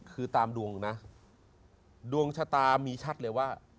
คือตามดวงนะดวงชะตามีชัดเลยว่า